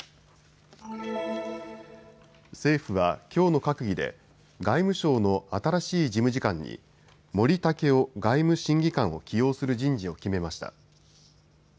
政府はきょうの閣議で外務省の新しい事務次官に森健良外務審議官を起用する人事を決めました。